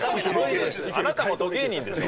あなたもど芸人でしょ？